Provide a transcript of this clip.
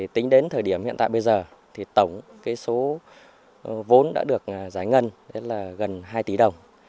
tính đến thời điểm hiện tại bây giờ tổng số vốn đã được giải ngân gần hai tỷ đồng